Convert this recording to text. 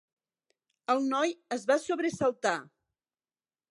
El noi es va sobresaltar.